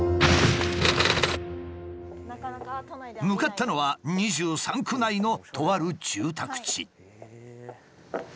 向かったのは２３区内のとある住宅地。